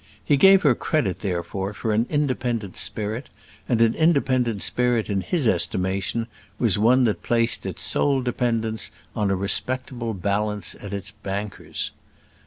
He gave her credit, therefore, for an independent spirit: and an independent spirit in his estimation was one that placed its sole dependence on a respectable balance at its banker's.